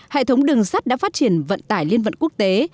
hệ thống đường sắt đã phát triển vận tải liên vận quốc tế